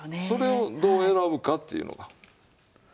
それをどう選ぶかっていうのが。